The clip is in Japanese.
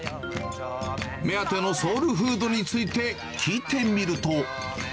目当てのソウルフードについて聞いてみると。